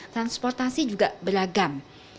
transportasi juga beragam